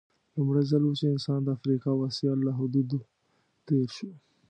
لومړی ځل و چې انسان د افریقا او اسیا له حدودو تېر شو.